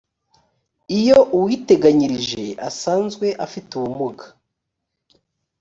iyo uwiteganyirije asanzwe afite ubumuga